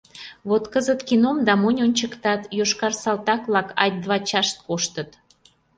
Вот кызыт кином да монь ончыктат — йошкар салдат-влак ать-два чашт коштыт.